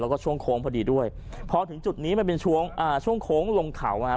แล้วก็ช่วงโค้งพอดีด้วยพอถึงจุดนี้มันเป็นช่วงอ่าช่วงโค้งลงเขานะครับ